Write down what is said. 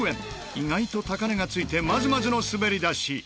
意外と高値が付いてまずまずの滑り出し。